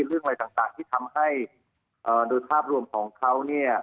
เรื่องอะไรต่างที่ทำให้โดยภาพรวมของเขาเนี่ย